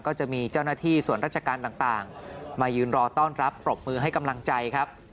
ก็จะมีเจ้าหน้าที่ส่วนราชการต่างมายืนรอต้อนรับปรบมือให้กำลังใจครับ